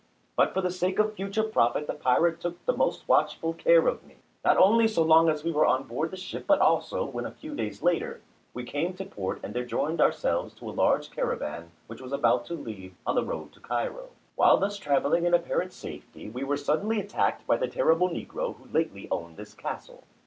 But for the sake of future profit the pirate took the most watchful care of me, not only so long as we were on board the ship but also when, a few days later, we came to port and there joined ourselves to a large caravan which was about to start on the road to Cairo. While thus travelling in apparent safety, we were suddenly attacked by the terrible negro who lately owned this castle.